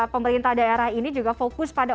pemerintah daerah ini juga fokus pada